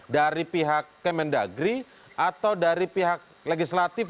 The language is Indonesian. dari pihak kemendagri atau dari pihak legislatif